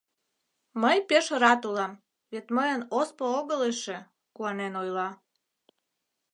— Мый пеш рат улам, вет мыйын оспо огыл эше, — куанен ойла.